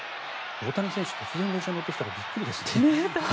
大谷選手、突然電車に乗ってきたらびっくりですね。